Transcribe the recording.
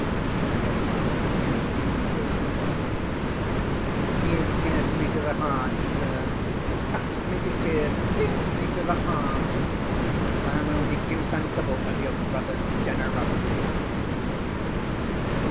"Yes, he would even go down on his knees." "You've pierced me to the heart, sir. Touched me to tears and pierced me to the heart! I am only too sensible of your brother's generosity.